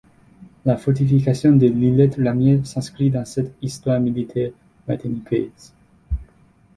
La fortification de l’îlet Ramiers s’inscrit dans cette histoire militaire martiniquaise.